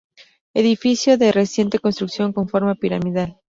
Edificio de reciente construcción con forma piramidal.